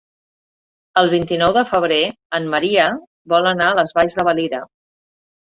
El vint-i-nou de febrer en Maria vol anar a les Valls de Valira.